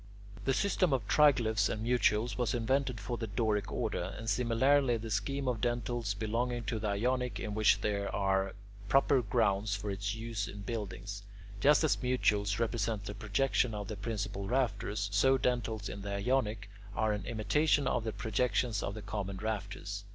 The system of triglyphs and mutules was invented for the Doric order, and similarly the scheme of dentils belongs to the Ionic, in which there are proper grounds for its use in buildings. Just as mutules represent the projection of the principal rafters, so dentils in the Ionic are an imitation of the projections of the common rafters.